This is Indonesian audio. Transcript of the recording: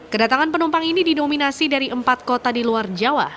kedatangan penumpang ini didominasi dari empat kota di luar jawa